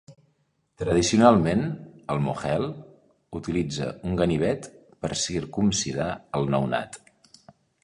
Tradicionalment, el "mohel" utilitza un ganivet per circumcidar el nounat.